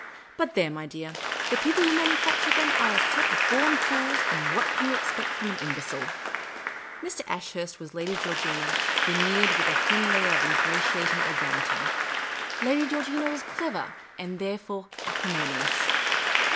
But, there, my dear ; the people who manufacture them are a set of born fools, and what can you expect from an imbecile ?" Mr. Ashurst was Lady Georgina, veneered with a thin layer of ingratiating I/O Miss Caylcy's Adventures urbanity. Lady Gcorgina was clever, and therefore acri monious.